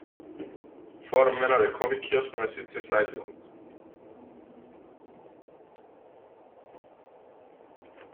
Four men at a coffee kiosk on a city sidewalk.